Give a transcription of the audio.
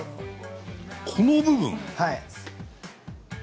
この部分？